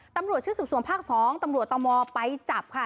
ตำรวจชื่อสวมสวมภาคสองตำรวจต้มอไปจับค่ะ